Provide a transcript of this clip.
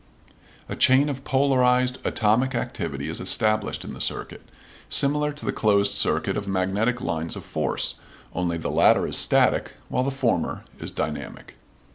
A chain of polarized atomic activity is established in the circuit, similar to the closed circuit of magnetic lines of force, only the latter is static, while the former is dynamic.